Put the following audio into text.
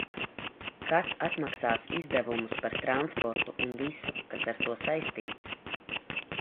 Kas atmaksās izdevumus par transportu un visu, kas ar to saistīts?